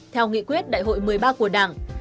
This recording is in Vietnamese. theo nghị quyết đại hội một mươi ba của đảng